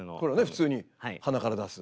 普通に鼻から出す。